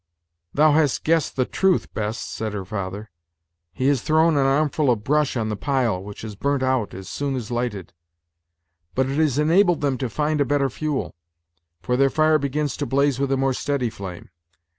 "Thou hast guessed the truth, Bess," said her father; "he has thrown an armful of brush on the pile, which has burnt out as soon as lighted. But it has enabled them to find a better fuel, for their fire begins to blaze with a more steady flame.